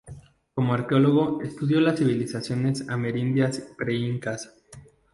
Como arqueólogo estudió las civilizaciones amerindias preincas.